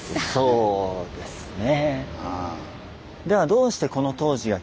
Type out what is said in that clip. そうですね。